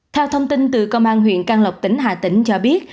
theo thông tin từ công an huyện căn lộc tỉnh hà tĩnh cho biết